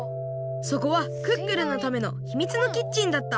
そこはクックルンのためのひみつのキッチンだった